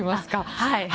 はい。